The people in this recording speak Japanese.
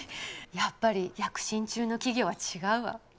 やっぱり躍進中の企業は違うわ。